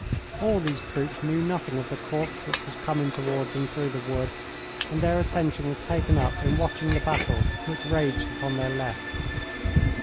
All these troops knew nothing of the corps which was coming toward them through the wood, and their attention was taken up in watching the battle which raged upon their left.